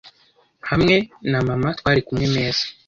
hamwe na mama twari kumwe meza